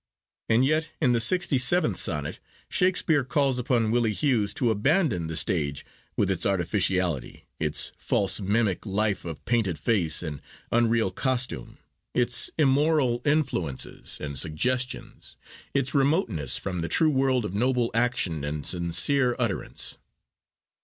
And yet, in the 67th Sonnet, Shakespeare calls upon Willie Hughes to abandon the stage with its artificiality, its false mimic life of painted face and unreal costume, its immoral influences and suggestions, its remoteness from the true world of noble action and sincere utterance.